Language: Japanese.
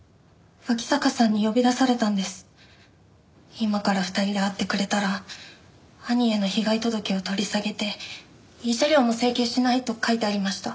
今から２人で会ってくれたら兄への被害届を取り下げて慰謝料も請求しないと書いてありました。